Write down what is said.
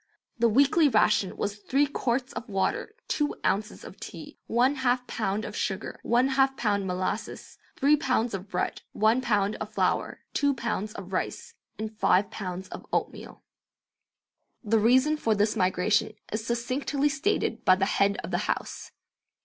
The weekly ration was three quarts of water, two ounces of tea, one half pound of sugar, one half pound molasses, three pounds of bread, one pound of flour, two pounds of rice, and five pounds of oatmeal. The reason for this migration is succinctly stated by the head of the house.